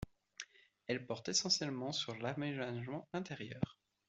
Elles portent essentiellement sur l'aménagement intérieur.